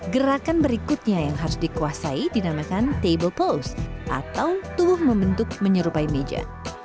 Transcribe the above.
gerakan berikutnya yang harus dikuasai dinamakan table post atau tubuh membentuk menyerupai meja